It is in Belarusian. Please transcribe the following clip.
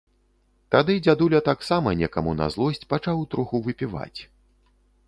Тады дзядуля, таксама некаму на злосць, пачаў троху выпіваць.